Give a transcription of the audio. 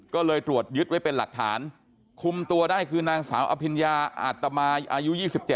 ก็เลยตรวจยึดไว้เป็นหลักฐานคุมตัวได้คือนางสาวอภิญญาอาตมาอายุ๒๗